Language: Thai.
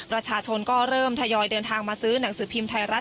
ประชาชนก็เริ่มทยอยเดินทางมาซื้อหนังสือพิมพ์ไทยรัฐ